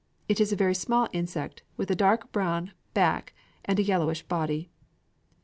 It is a very small insect, with a dark brown back, and a yellowish belly.